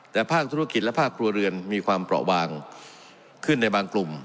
แต่ภาคธุรกิจและภาคครัวเรือนมีความเปราะบางขึ้นในบางกลุ่ม